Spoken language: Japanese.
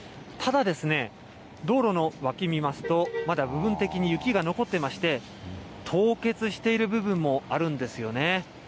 ただですね、道路の脇見ますと、まだ部分的に雪が残ってまして、凍結している部分もあるんですよね。